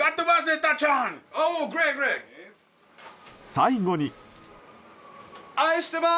最後に。